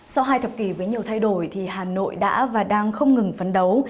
sau hai thập kỷ với nhiều thay đổi thì hà nội đã và đang không ngừng phấn đấu